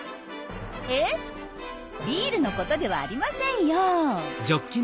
えっビールのことではありませんよ。